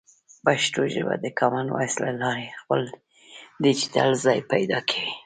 پښتو ژبه د کامن وایس له لارې خپل ډیجیټل ځای پیدا کوي.